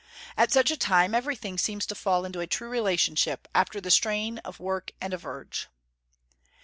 At such a time everything seems to fall into a true relationship, after the strain of work and of urge.